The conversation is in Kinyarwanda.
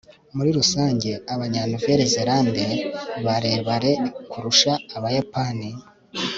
muri rusange, abanya nouvelle-zélande barebare kurusha abayapani